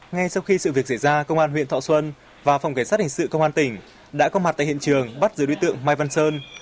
ngay sau khi sự việc xảy ra công an huyện thọ xuân và phòng cảnh sát hình sự công an tỉnh đã có mặt tại hiện trường bắt giữ đối tượng mai văn sơn